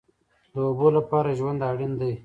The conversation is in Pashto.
د اوبو لپاره ژوند اړین دی